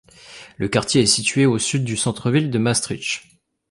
Le quartier est situé au sud du centre ville de Maastricht.